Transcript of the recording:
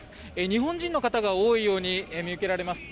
日本人の方が多いように見受けられます。